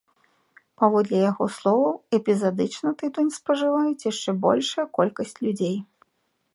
Паводле яго словаў, эпізадычна тытунь спажываюць яшчэ большая колькасць людзей.